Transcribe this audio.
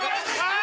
あ。